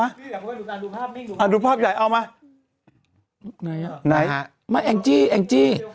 อ่าดูภาพนี้อ่าดูภาพใหญ่เอามาไหนอ่ะไหนฮะไม่แองจี้แองจี้